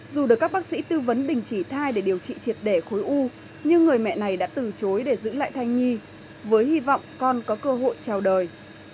dù được các bác sĩ tư vấn đình chỉ thai để điều trị triệt để khối u nhưng người mẹ này đã từ chối để giữ lại thai nhi với hy vọng con có cơ hội chào đời